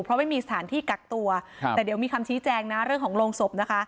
เพราะไม่มีสถานที่กักตัวแต่เดี๋ยวมีคำชี้แจงนะเรื่องของโรงศพนะคะ